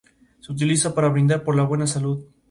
Se utiliza para brindar por la buena salud.